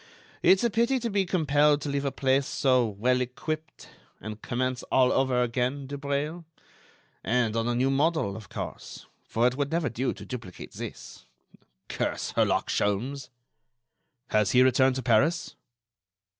It's a pity to be compelled to leave a place so well equipped, and commence all over again, Dubreuil ... and on a new model, of course, for it would never do to duplicate this. Curse Herlock Sholmes!" "Has he returned to Paris?"